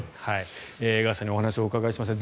江川さんにお話をお伺いしました。